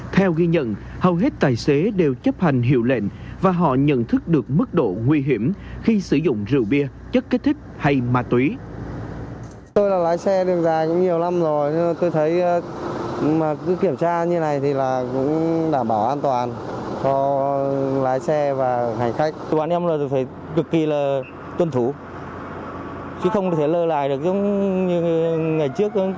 theo ghi nhận hầu hết tài xế đều chấp hành hiệu lệnh và họ nhận thức được mức độ nguy hiểm khi sử dụng rượu bia chất kết thích hay ma túy